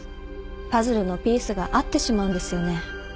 パズルのピースが合ってしまうんですよね。